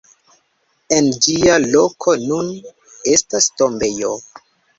En ĝia loko nun estas tombejo.